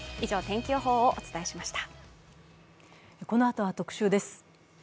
このあとは「特集」です。